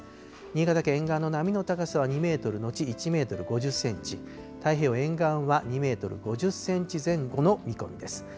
新潟県沿岸の波の高さは２メートル後１メートル５０センチ、太平洋沿岸は２メートル５０センチ前後の見込みです。